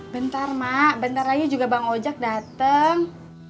bentar mak bentar lagi juga bang ojak dateng